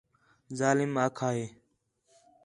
ظالم آکھا ہے